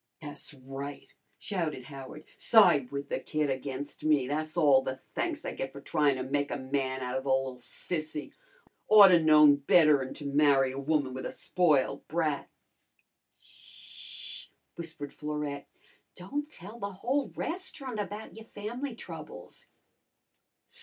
"Tha's right!" shouted Howard. "Side with the kid against me! Tha's all the thanks I get for tryin' to make a man out o' the li'l sissy. Oughta known better'n to marry a woman with a spoiled brat." "Sh h h!" whispered Florette. "Don't tell the whole resterunt about your fam'ly troubles."